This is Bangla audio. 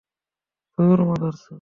ধুর, মাদারচোত!